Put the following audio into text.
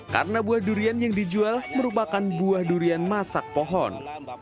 karena buah durian yang dijual merupakan buah durian masak pohon